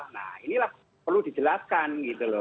nah inilah perlu dijelaskan gitu loh